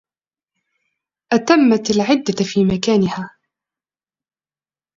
أَتَمَّتْ الْعِدَّةَ فِي مَكَانِهَا